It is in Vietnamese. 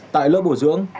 tại lớp bồi dưỡng